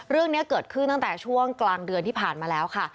เรื่องนี้เกิดขึ้นตั้งแต่ช่วงกลางเดือนที่ผ่านมาแล้วค่ะ